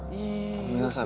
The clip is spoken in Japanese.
ごめんなさい